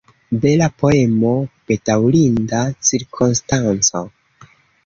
Bela poemo, bedaŭrinda cirkonstanco.